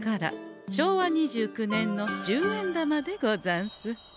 昭和２９年の十円玉でござんす。